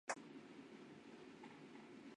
光叶白头树为橄榄科嘉榄属的植物。